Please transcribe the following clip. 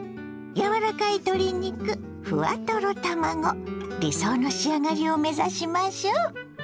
柔らかい鶏肉ふわトロ卵理想の仕上がりを目指しましょう。